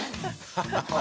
ハハハハ。